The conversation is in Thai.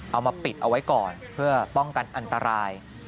เอามาปิดเอาไว้ก่อนเพื่อป้องกันอันตราย